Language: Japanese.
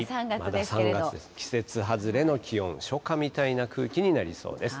季節外れの気温、初夏みたいな空気になりそうです。